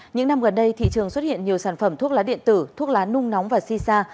những năm gần đây thị trường xuất hiện nhiều sản phẩm thuốc lá điện tử thuốc lá nung nóng và si sa